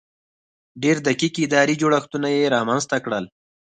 ډېر دقیق اداري جوړښتونه یې رامنځته کړل.